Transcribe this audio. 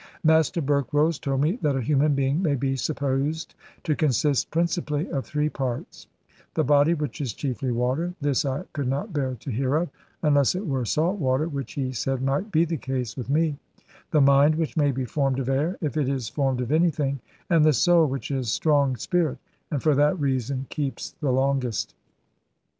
Master Berkrolles told me that a human being may be supposed to consist principally of three parts the body, which is chiefly water (this I could not bear to hear of, unless it were salt water, which he said might be the case with me); the mind, which may be formed of air, if it is formed of anything; and the soul, which is strong spirit, and for that reason keeps the longest.